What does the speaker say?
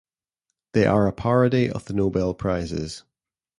They are a parody of the Nobel Prizes.